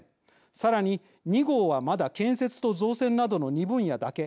さらに２号は、まだ建設と造船などの２分野だけ。